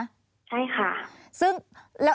ใช่ค่ะ